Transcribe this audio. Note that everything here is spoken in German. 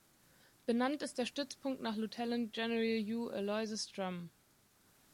Benannt ist der Stützpunkt nach Lieutenant General Hugh Aloysius Drum.